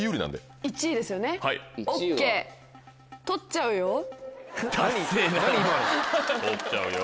「とっちゃうよ」。